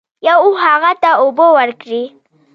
یو اوښ هغه ته اوبه ورکړې.